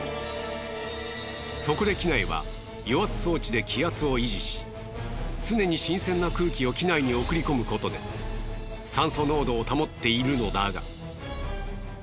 そこで機内は与圧装置で気圧を維持し常に新鮮な空気を機内に送り込むことで酸素濃度を保っているのだが。